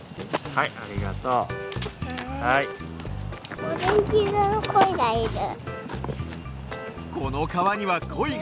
はいありがとう。あった！